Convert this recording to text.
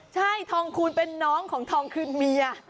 ใช่ทองคูณเป็นน้องของทองคืนเมีย